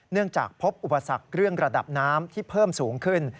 จากพบอุปสรรคเรื่องระดับน้ำที่เพิ่มสูงขึ้น